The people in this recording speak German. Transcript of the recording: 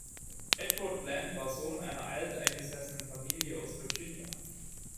Edward Bland war Sohn einer alteingesessenen Familie aus Virginia.